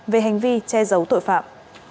về hành vi che giấu tội phạm